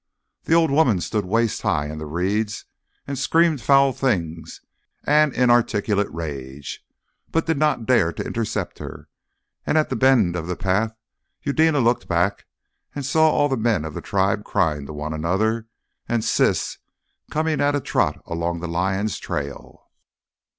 The old woman stood waist high in the reeds, and screamed foul things and inarticulate rage, but did not dare to intercept her; and at the bend of the path Eudena looked back and saw all the men of the tribe crying to one another and Siss coming at a trot along the lion's trail.